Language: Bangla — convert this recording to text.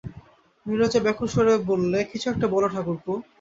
নীরজা ব্যাকুলস্বরে বললে, কিছু একটা বলো ঠাকুরপো।